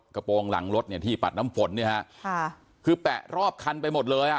กระโปรงหลังรถเนี่ยที่ปัดน้ำฝนเนี่ยฮะค่ะคือแปะรอบคันไปหมดเลยอ่ะ